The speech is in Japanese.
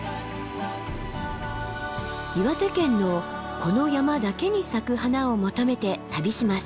岩手県のこの山だけに咲く花を求めて旅します。